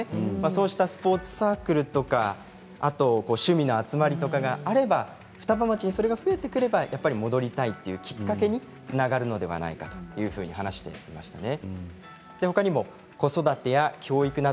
そうしたスポーツサークルとか趣味の集まりとかがあれば双葉町でそれが増えてくれば戻りたいきっかけにつながるのではないかと話していましたね。